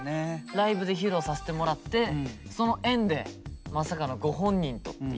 ライブで披露させてもらってその縁でまさかのご本人とっていう。